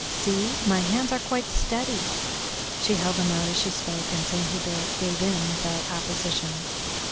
See! My hands are quite steady." She held them out as she spoke, and Saint Hubert gave in without opposition.